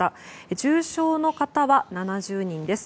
重症の方は７０人です。